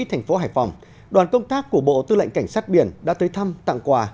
thành phố hải phòng đoàn công tác của bộ tư lệnh cảnh sát biển đã tới thăm tặng quà